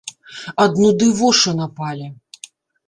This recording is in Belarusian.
Ад нуды вошы напалі.